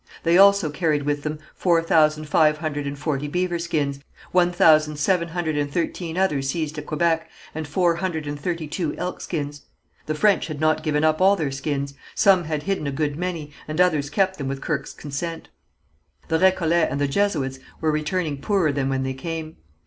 They also carried with them four thousand five hundred and forty beaver skins, one thousand seven hundred and thirteen others seized at Quebec, and four hundred and thirty two elk skins. The French had not given up all their skins; some had hidden a good many, and others kept them with Kirke's consent. The Récollets and the Jesuits were returning poorer than when they came.